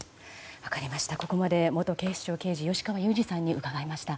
ここまで元警視庁刑事吉川祐二さんに伺いました。